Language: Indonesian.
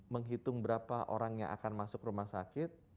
menghitung berapa orang yang akan masuk rumah sakit